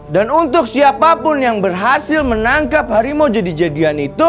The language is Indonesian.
dan untuk siapapun yang berhasil menangkap harimau jadi jadian itu